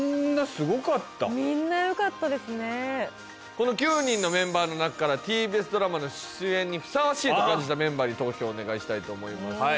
この９人のメンバーの中からＴＢＳドラマの出演にふさわしいと感じたメンバーに投票をお願いしたいと思います